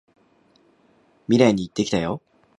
未来に行ってきたよ！